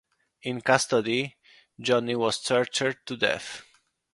In custody Jonny was tortured to death.